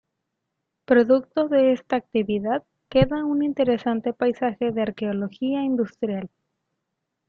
Producto de esta actividad queda un interesante paisaje de arqueología industrial.